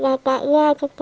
lepas itu cukup cukup